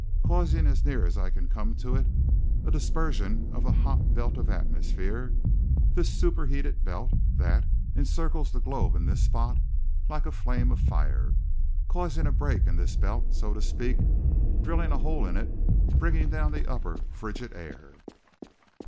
"Causing, as near as I can come to it, a dispersion of the hot belt of atmosphere, this superheated belt that encircles the globe in this spot like a flame of fire, causing a break in this belt, so to speak, drilling a hole in it, bringing down the upper frigid air."